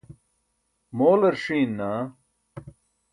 moolar ṣiin naa